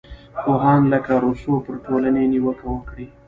پوهان لکه روسو پر ټولنې نیوکې وکړې.